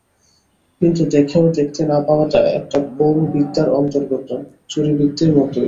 কিন্তু দেখেও দেখতে না পাওয়াটা একটা বড়ো বিদ্যের অন্তর্গত, চুরিবিদ্যের মতোই।